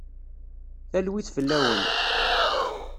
Talwit fell-awen.